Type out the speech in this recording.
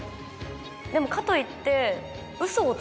でもかといって。